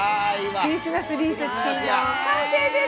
クリスマスリースチキンの完成です。